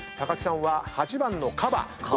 木さんは８番のカバ